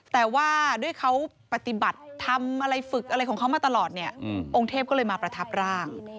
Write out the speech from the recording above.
แต่ว่าด้วยเขาปฏิบัติทำอะไรฝึกอะไรของเขามาตลอดเนี่ยองค์เทพก็เลยมาประทับร่าง